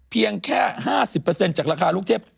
เพียงแค่๕๐จากราคาลูกเทพ